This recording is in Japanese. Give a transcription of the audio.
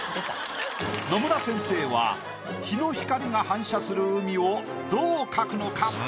野村先生は日の光が反射する海をどう描くのか？